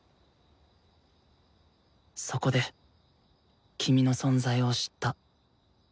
そこで君の存在を知った。